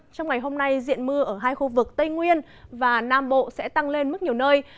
trong ngày hôm nay diện mưa ở hai khu vực tây nguyên và nam bộ sẽ tăng lên mức nhiều nơi